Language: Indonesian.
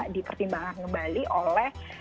dipertimbangkan kembali oleh